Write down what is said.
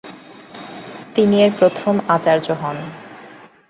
তিনি এর প্রথম আচার্য হন।